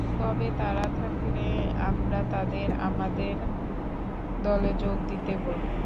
তবে তারা থাকলে আমরা তাদের আমাদের দলে যোগ দিতে বলব।